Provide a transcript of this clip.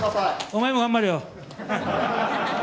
お前も頑張れよ！